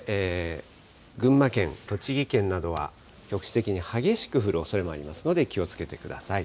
群馬県、栃木県などは、局地的に激しく降るおそれもありますので、気をつけてください。